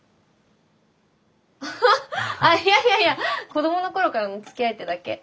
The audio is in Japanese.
ハハッいやいやいや子どもの頃からのつきあいってだけ。